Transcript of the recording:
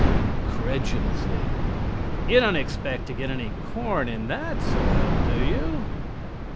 incredulously. "You don't expect to get any corn in that soil do you?